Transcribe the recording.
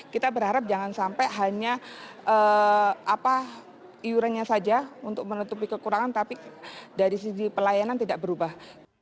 kita berharap jangan sampai hanya iurannya saja untuk menutupi kekurangan tapi dari sisi pelayanan tidak berubah